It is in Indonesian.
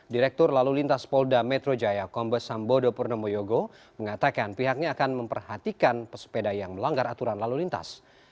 direktur lalu lintas polda metro jaya kombes sambodo purnomo yogo mengatakan pihaknya akan memperhatikan pesepeda yang melanggar aturan lalu lintas